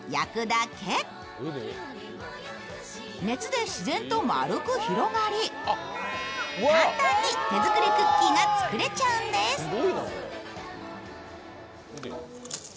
熱で自然と丸く広がり、簡単に手作りクッキーが作れちゃうんです。